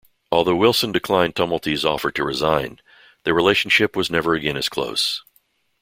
Although Wilson declined Tumulty's offer to resign, their relationship was never again as close.